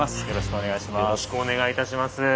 よろしくお願いします。